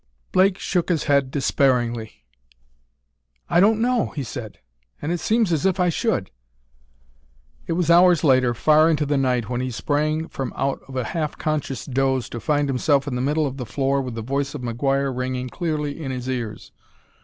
Blake shook his head despairingly. "I don't know," he said. "And it seems as if I should " It was hours later, far into the night, when he sprang from out of a half conscious doze to find himself in the middle of the floor with the voice of McGuire ringing clearly in his ears.